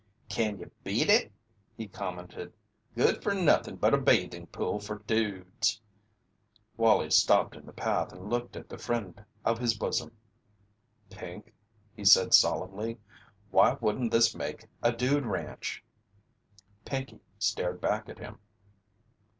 "Can you beat it!" he commented. "Good for nuthin' but a bathin' pool fer dudes " Wallie stopped in the path and looked at the friend of his bosom. "Pink," he said, solemnly, "why wouldn't this make a dude ranch?" Pinkey stared back at him.